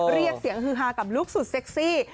เรียกเสียงฮือฮากับลูกสุดเซ็กซี่